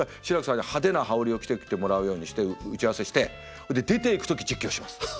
志らくさんが派手な羽織を着てきてもらうようにして打ち合わせしてそれで出ていく時実況します。